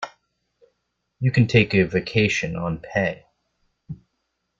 You can take a vacation on pay.